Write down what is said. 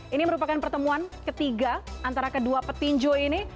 ini merupakan pertemuan ketiga antara kedua petinju ini